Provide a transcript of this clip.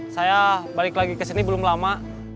saya balik lagi ke sini belum lama